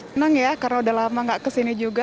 senang ya karena udah lama gak kesini juga